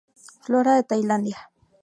Flora de Tailandia.